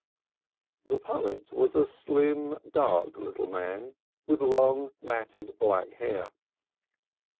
The poet was a slim, dark little man, with long, matted black hair.